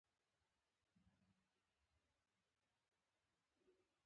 د هغوی د ناتار او ناورین شپې ورځي.